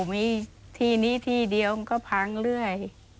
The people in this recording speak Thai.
มีที่นี้ที่เดียวมันก็พังเรื่อย